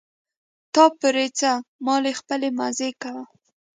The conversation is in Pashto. تا پورې څه مالې ته خپلې مزې کوه.